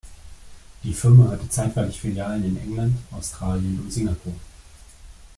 Die Firma hatte zeitweilig Filialen in England, Australien und Singapur.